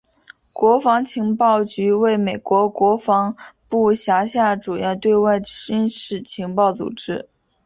国防情报局为美国国防部辖下主要对外军事情报组织。